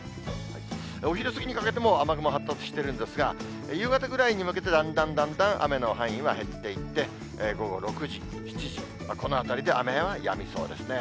お昼過ぎにかけても、雨雲発達してるんですが、夕方ぐらいに向けてだんだんだんだん雨の範囲は減っていって、午後６時、７時、このあたりで雨はやみそうですね。